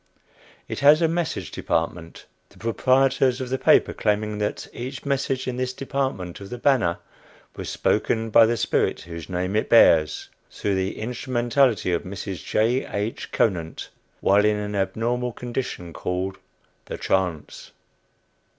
It has a "Message Department," the proprietors of the paper claiming that "each message in this department of the "Banner" was spoken by the spirit whose name it bears, through the instrumentality of Mrs. J. H. Conant, while in an abnormal condition called the trance."